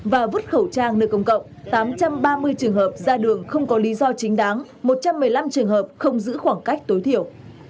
và vứt khẩu trang nơi công cộng tám trăm ba mươi trường hợp ra đường không có lý do chính đáng một trăm một mươi năm trường hợp không giữ khoảng cách tối thiểu